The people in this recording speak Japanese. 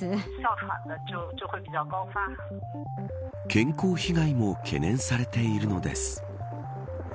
健康被害も懸念されているのです。